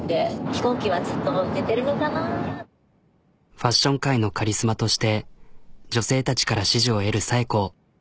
ファッション界のカリスマとして女性たちから支持を得る紗栄子。